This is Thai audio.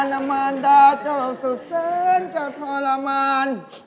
แม่มันดาเจ้าสุดเส้นเจ้าทรมาน